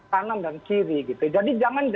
tangan dan kiri jadi jangan